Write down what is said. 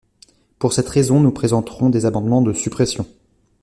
Pour cette raison, nous présenterons des amendements de suppression.